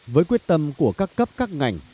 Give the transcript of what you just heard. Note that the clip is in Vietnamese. với quyết tâm của các cấp các ngành